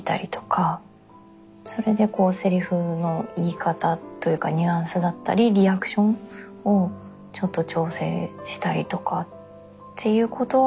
それでせりふの言い方というかニュアンスだったりリアクションを調整したりとかっていうことはあります。